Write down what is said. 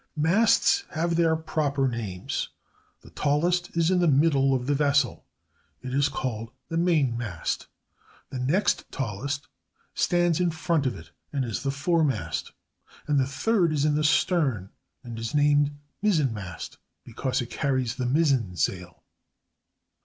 ] Masts have their proper names: the tallest is in the middle of the vessel, and is called the mainmast; the next tallest stands in front of it, and is the foremast; and the third is in the stern, and is named mizzenmast, because it carries the mizzen (sail).